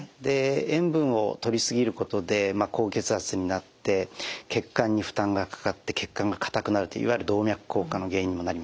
塩分をとり過ぎることで高血圧になって血管に負担がかかって血管が硬くなるといわゆる動脈硬化の原因にもなります。